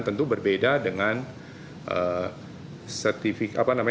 tentu berbeda dengan